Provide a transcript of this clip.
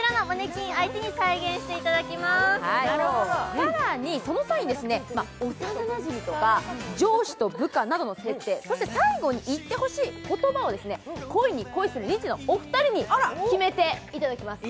更に、その際に幼なじみとか上司と部下などの設定、そして最後に言ってほしい言葉を恋に恋するニッチェのお二人に決めていただきます。